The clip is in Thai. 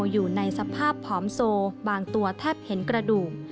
อยู่ในสภาพผอมโซบางตัวแทบเห็นกระดูก